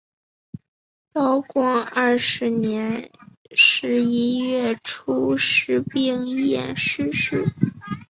道光二十年十一月初十丙寅逝世。